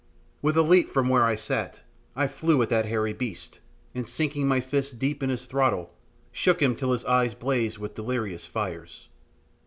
With a leap from where I sat I flew at that hairy beast, and sinking my fists deep in his throttle, shook him till his eyes blazed with delirious fires.